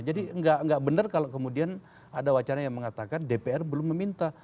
jadi tidak benar kalau kemudian ada wacana yang mengatakan dpr belum meminta